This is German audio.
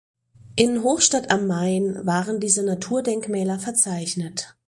In Hochstadt am Main waren diese Naturdenkmäler verzeichnet.